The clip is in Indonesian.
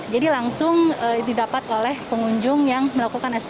jadi langsung didapat oleh pengunjung yang melakukan